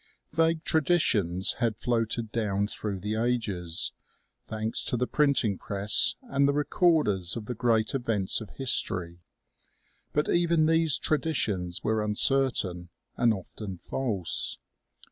Vague traditions had floated down through the ages, thanks to the printing press and the recorders of the great events of history ; but even these traditions were uncertain and often false.